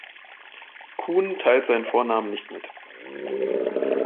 Kuhn teilt seinen Vornamen nicht mit.